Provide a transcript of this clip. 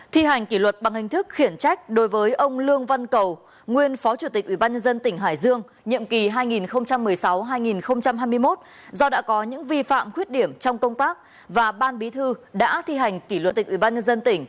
thi hành kỷ luật bằng hình thức khiển trách đối với ông lương văn cầu nguyên phó chủ tịch ubnd tỉnh hải dương nhiệm kỳ hai nghìn một mươi sáu hai nghìn hai mươi một do đã có những vi phạm khuyết điểm trong công tác và ban bí thư đã thi hành kỷ luật tịch ubnd tỉnh